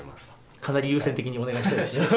かなり優先的にお願いしたいです。